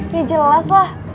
ya jelas lah